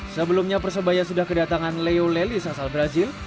sebelumnya persebaya sudah kedatangan leo lelis asal brazil